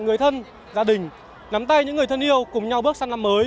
người thân gia đình nắm tay những người thân yêu cùng nhau bước sang năm mới